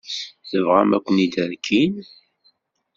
Tebɣam ad ken-rkin?